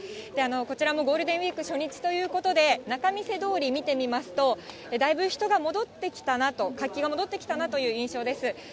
こちらもゴールデンウィーク初日ということで、仲見世通り見てみますと、だいぶ人が戻ってきたなと、活気が戻ってきたなという印象です。